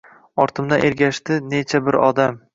Ortimdan ergashdi necha bir odam